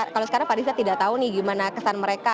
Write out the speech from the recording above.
kalau sekarang fariza tidak tau nih gimana kesan mereka